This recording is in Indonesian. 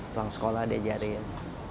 pulang sekolah diajarin